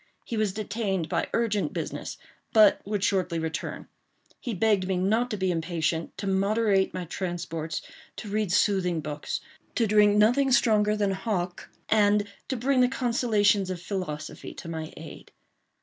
He was detained by urgent business—but would shortly return. He begged me not to be impatient—to moderate my transports—to read soothing books—to drink nothing stronger than Hock—and to bring the consolations of philosophy to my aid.